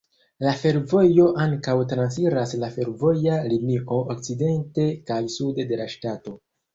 La fervojo ankaŭ transiras la fervoja linio okcidente kaj sude de la ŝtato.